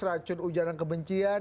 racun ujangan kebencian